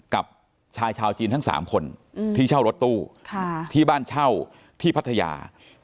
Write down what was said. กับชายชาวจีนทั้ง๓คนที่เช่ารถตู้ที่บ้านเช่าที่พัทยา